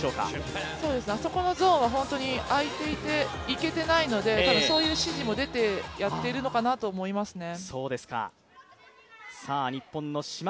あそこのゾーンは空いていて、いけてないので、そういう指示も出てやっているのかなと思いますね。